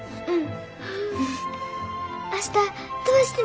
うん。